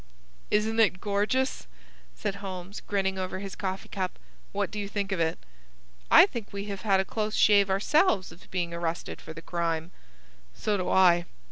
"Isn't it gorgeous!" said Holmes, grinning over his coffee cup. "What do you think of it?" "I think that we have had a close shave ourselves of being arrested for the crime." "So do I.